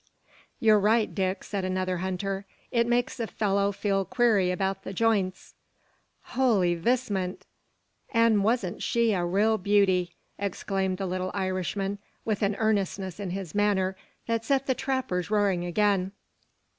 "Ye're right, Dick," said another hunter; "it makes a fellow feel queery about the jeints." "Holy vistment! An' wasn't she a raal beauty?" exclaimed the little Irishman, with an earnestness in his manner that set the trappers roaring again.